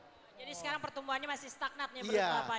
jadi sekarang pertumbuhannya masih stagnat nih